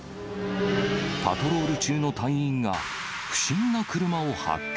パトロール中の隊員が、不審な車を発見。